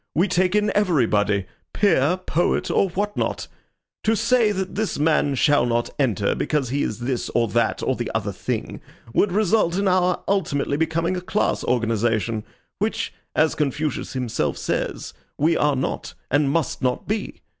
We take in everybody peer, poet, or what not. To say that this man shall not enter because he is this or that or the other thing would result in our ultimately becoming a class organization, which, as Confucius himself says, we are not and must not be.